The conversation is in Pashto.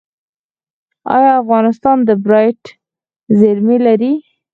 آیا افغانستان د بیرایت زیرمې لري؟